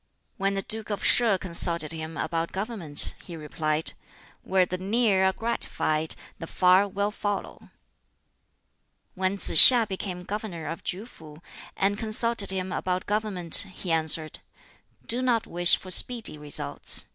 When the Duke of Sheh consulted him about government, he replied, "Where the near are gratified, the far will follow." When Tsz hiŠ became governor of KŁ fu, and consulted him about government, he answered, "Do not wish for speedy results.